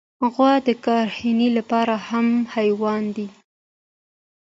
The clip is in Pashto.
غوا د کرهڼې لپاره مهم حیوان دی.